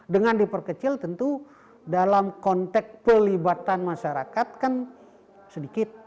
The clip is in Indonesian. dengan diperkecil tentu dalam konteks pelibatan masyarakat kan sedikit